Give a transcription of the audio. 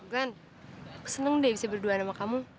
glenn aku seneng deh bisa berdua sama kamu